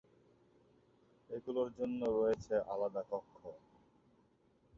এগুলোর জন্যও রয়েছে আলাদা কক্ষ।